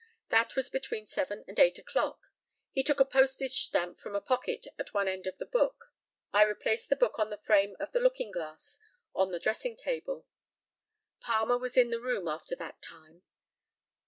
That was between seven and eight o'clock. He took a postage stamp from a pocket at one end of the book. I replaced the book on the frame of the looking glass on the dressing table. Palmer was in the room after that time.